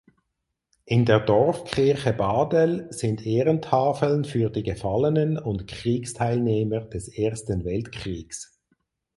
In der Dorfkirche Badel sind Ehrentafeln für die Gefallenen und Kriegsteilnehmer des Ersten Weltkriegs.